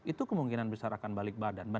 itu kemungkinan besar akan balik badan